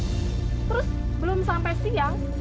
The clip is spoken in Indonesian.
terus belum sampai siang